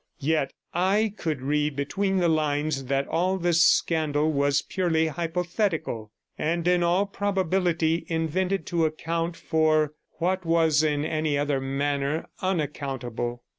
Yet I could read between the lines that all this scandal was purely hypothetical, and in all probability invented to account for what was in any other manner unaccountable.